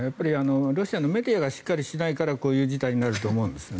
ロシアのメディアがしっかりしないからこういう事態になると思うんですよね。